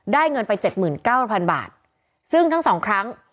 เงินไปเจ็ดหมื่นเก้าพันบาทซึ่งทั้งสองครั้ง